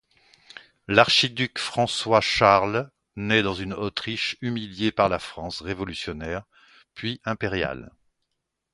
L'archiduc François-Charles naît dans une Autriche humiliée par la France révolutionnaire puis impériale.